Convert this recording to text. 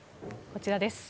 こちらです。